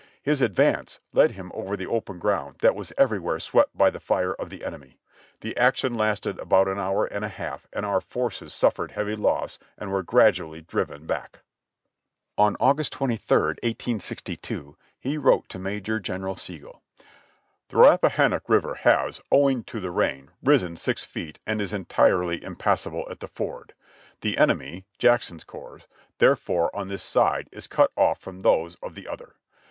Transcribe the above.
His advance led him over the open ground that was everywhere swept by the fire of the enemy. The action lasted about an hour and a half and our forces suffered heavy loss and were gradually driven back." On August 23, 1862, he wrote to Major General Sigel : "The Rappahannock River has, owing to the rain, risen six feet and is entirely impassable at any ford, the enemy (Jackson's corps) therefore, on this side, is cut ofif from those of the other.